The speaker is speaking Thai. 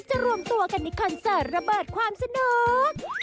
รวมตัวกันในคอนเสิร์ตระเบิดความสนุก